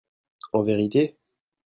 En vérité ?